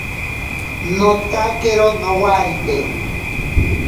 Notakero nowarite.